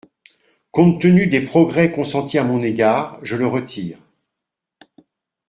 Compte tenu des progrès consentis à mon égard, je le retire.